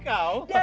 kau pandai sekali